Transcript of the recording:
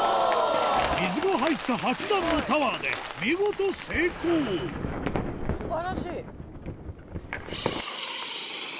水が入った８段のタワーで見事成功素晴らしい！